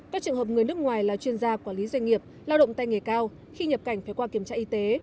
các trường hợp người nước ngoài là chuyên gia quản lý doanh nghiệp lao động tay nghề cao khi nhập cảnh phải qua kiểm tra y tế